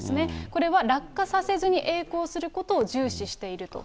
これは落下させずにえい航することを重視していると。